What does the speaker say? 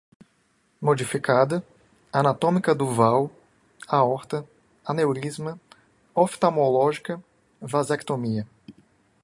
modificada, anatômica duval, aorta, aneurisma, oftalmológica, vasectomia